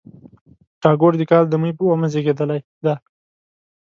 ټاګور د کال د مۍ په اوومه زېږېدلی دی.